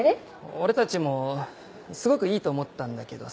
俺たちもすごくいいと思ったんだけどさ。